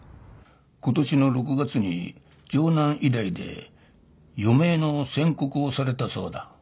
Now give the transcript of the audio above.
今年の６月に城南医大で余命の宣告をされたそうだ。